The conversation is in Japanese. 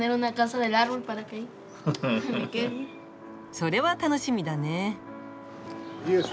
それは楽しみだね。